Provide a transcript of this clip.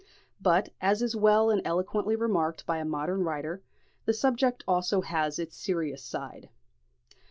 But, as is well and eloquently remarked by a modern writer, the subject has also its serious side.